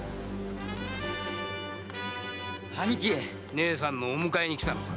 姉さんのお迎えに来たのさ。